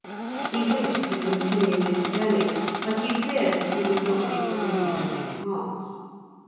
He wished to continue his journey, but he feared that he would not be permitted to depart.